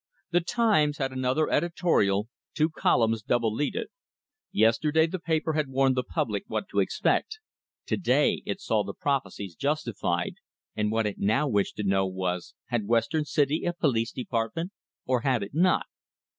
The "Times" had another editorial, two columns, double leaded. Yesterday the paper had warned the public what to expect; today it saw the prophecies justified, and what it now wished to know was, had Western City a police department, or had it not?